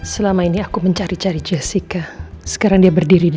selama ini aku mencari cari jessica sekarang dia berdiri di